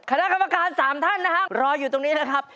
คณะกรรมการ๓ท่านนะครับรออยู่ตรงนี้นะครับ